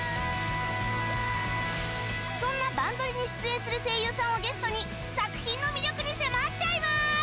そんな「バンドリ！」に出演する声優さんをゲストに作品の魅力に迫っちゃいます！